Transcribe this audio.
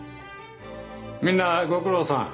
みんなご苦労さん。